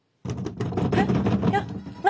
えっいや何？